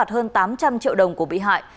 hơn tám trăm linh triệu đồng của bị hại